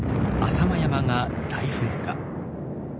浅間山が大噴火。